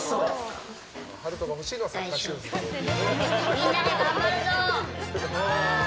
みんなで頑張るぞ！